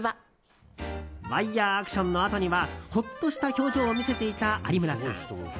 ワイヤアクションのあとにはほっとした表情を見せていた有村さん。